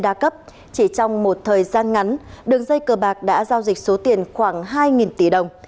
đa cấp chỉ trong một thời gian ngắn đường dây cờ bạc đã giao dịch số tiền khoảng hai tỷ đồng